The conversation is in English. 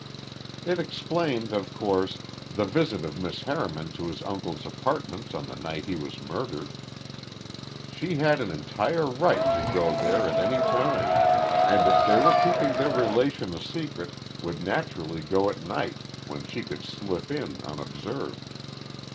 It explained, of course, the visit of Miss Harriman to his uncle's apartments on the night he was murdered. She had an entire right to go there at any time, and if they were keeping their relation a secret would naturally go at night when she could slip in unobserved.